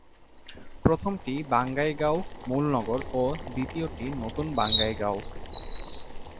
প্রথমটি বঙাইগাঁও মূল নগর ও দ্বিতীয়টি নতুন বঙাইগাঁও।